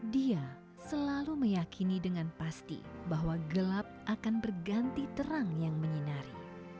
dia selalu meyakini dengan pasti bahwa gelap akan berganti terang yang menyinari